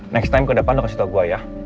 next time ke depan lo kasih tau gue ya